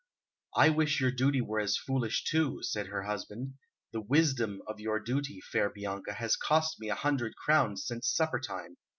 "I wish your duty were as foolish, too," said her husband. "The wisdom of your duty, fair Bianca, has cost me a hundred crowns since supper time."